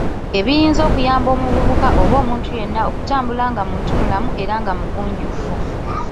Ebiyinza okuyamba omuvubuka oba omuntu yenna okutambula nga muntu mulamu era nga mugunjufu.